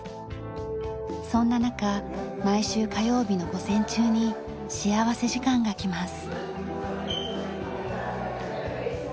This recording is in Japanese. そんな中毎週火曜日の午前中に幸福時間がきます。